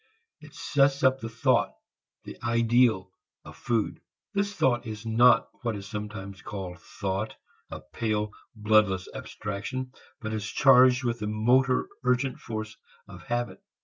It sets up the thought, the ideal, of food. This thought is not what is sometimes called thought, a pale bloodless abstraction, but is charged with the motor urgent force of habit.